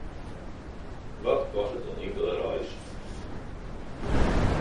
Wat kostet in inkelde reis?